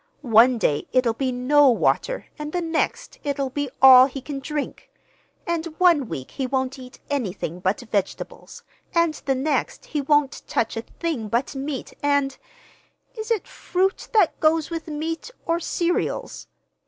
One day it'll be no water, and the next it'll be all he can drink; and one week he won't eat anything but vegetables, and the next he won't touch a thing but meat and—is it fruit that goes with meat or cereals?